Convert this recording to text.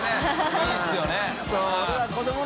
いいですね。